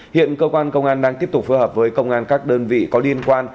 hiện cơ quan công an đang tiếp tục phù hợp với công an các đơn vị có liên quan